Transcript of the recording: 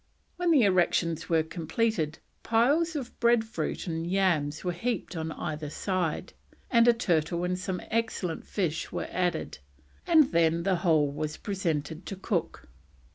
When the erections were completed, piles of bread fruit and yams were heaped on either side, and a turtle and some excellent fish were added, and then the whole was presented to Cook.